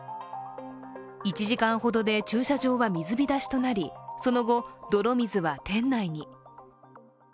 １時間ほどで駐車場は水浸しとなりその後、泥水は店内に。